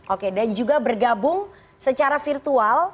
oke dan juga bergabung secara virtual